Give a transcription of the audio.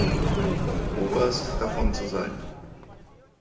Oberst davon zu sein.